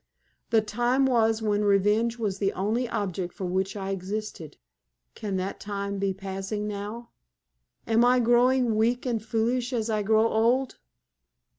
The time was when revenge was the only object for which I existed. Can that time be passing now? Am I growing weak and foolish as I grow old?